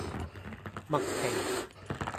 麥皮